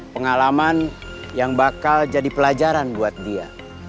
pengalaman yang bakal jadi pelajaran buat dia